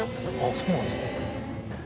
そうなんですか。